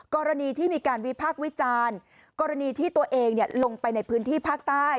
กรณีที่มีการวิพากษ์วิจารณ์กรณีที่ตัวเองลงไปในพื้นที่ภาคใต้